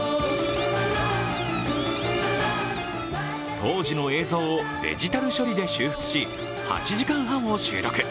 当時の映像をデジタル処理で修復し、８時間半を収録。